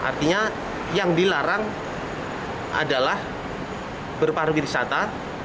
artinya yang dilarang adalah berpaham risata